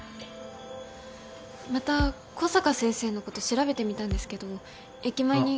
また小坂先生のこと調べてみたんですけど駅前に。